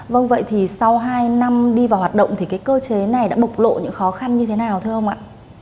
vâng vậy thì sau hai năm đi vào hoạt động thì cái cơ chế này đã bộc lộ những khó khăn như thế nào thưa ông ạ